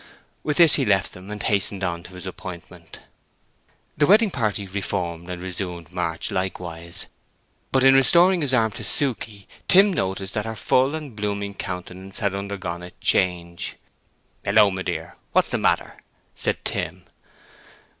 With this he left them, and hastened on to his appointment. The wedding party re formed and resumed march likewise. But in restoring his arm to Suke, Tim noticed that her full and blooming countenance had undergone a change. "Holloa! me dear—what's the matter?" said Tim.